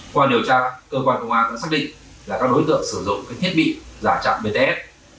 qua điều tra cơ quan công an cũng xác định là các đối tượng sử dụng thiết bị giả chặn bts